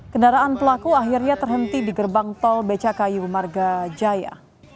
kendaraan pelaku akhirnya terhenti di gerbang tol becakayu marga jaya